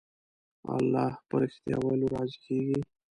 الله په رښتيا ويلو راضي کېږي.